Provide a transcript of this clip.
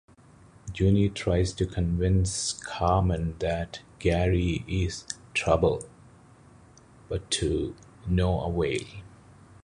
Juni tries to convince Carmen that Gary is trouble, but to no avail.